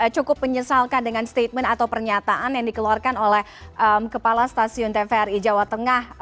cukup menyesalkan dengan statement atau pernyataan yang dikeluarkan oleh kepala stasiun tvri jawa tengah